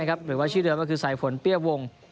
หรือว่าชื่อเดิมก็คือสายฝนเปี้ยวง